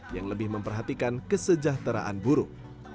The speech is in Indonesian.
yang lebih memperhatikan kesejahteraan buruh